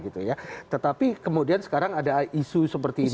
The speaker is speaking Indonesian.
tetapi kemudian sekarang ada isu seperti ini